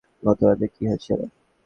গতরাতে কী হয়েছিল?